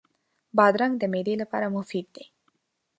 بادرنګ د معدې لپاره مفید دی.